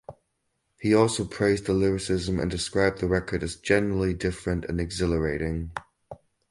He also praised the lyricism and described the record as "genuinely different and exhilarating".